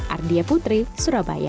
ardia putri surabaya